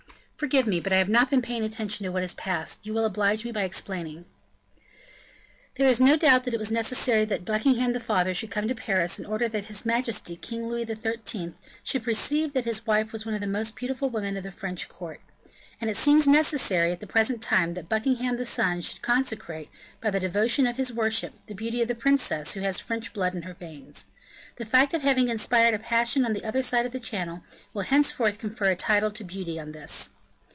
"Forgive me, but I have not been paying attention to what has passed; will you oblige me by explaining." "There is no doubt it was necessary that Buckingham the father should come to Paris in order that his majesty, King Louis XIII., should perceive that his wife was one of the most beautiful women of the French court; and it seems necessary, at the present time, that Buckingham the son should consecrate, by the devotion of his worship, the beauty of a princess who has French blood in her veins. The fact of having inspired a passion on the other side of the Channel will henceforth confer a title to beauty on this."